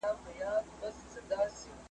له سهاره تر ماښامه ګرځېدل وه .